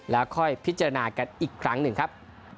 แล้วค่อยพิจารณากันอีกครั้งหนึ่งครับ